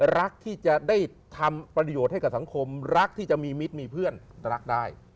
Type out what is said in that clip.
รักที่จะได้ทำประโยชน์ให้กับสังคมรักที่จะมีมิตรมีเพื่อนรักได้